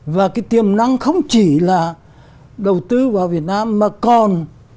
và cái tiềm năng không chỉ là đầu tư vào việt nam mà còn